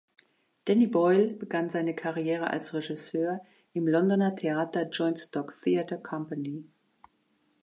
Danny Boyle begann seine Karriere als Regisseur im Londoner Theater "Joint Stock Theatre Company".